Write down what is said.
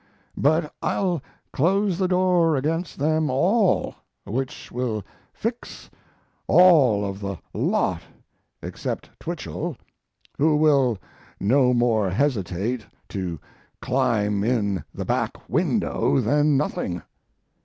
But I'll close the door against them all, which will "fix" all of the lot except Twichell, who will no more hesitate to climb in the back window than nothing.